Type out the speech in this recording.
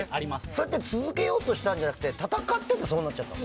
それって続けようとしたんじゃなくて戦っててそうなったの？